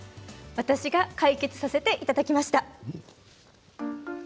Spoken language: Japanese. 私が解決させていただきました。